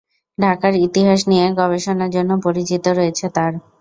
ঢাকার ইতিহাস নিয়ে গবেষণার জন্য পরিচিতি রয়েছে তার।